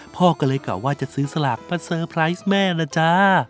พ่อก็เลยกล่าว่าจะซื้อสลากมาเซอร์ไพรส์แม่ล่ะจ้า